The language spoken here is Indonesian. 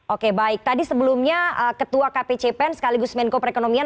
oke baik tadi sebelumnya ketua kpcpen sekaligus menko perekonomian